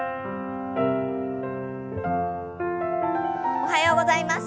おはようございます。